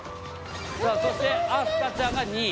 そして明日香ちゃんが２位。